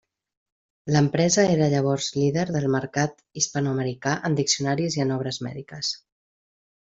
L'empresa era llavors líder del mercat hispanoamericà en diccionaris i en obres mèdiques.